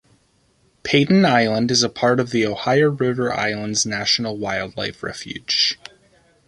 Paden Island is a part of the Ohio River Islands National Wildlife Refuge.